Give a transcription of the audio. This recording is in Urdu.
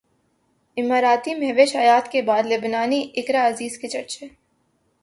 اماراتی مہوش حیات کے بعد لبنانی اقرا عزیز کے چرچے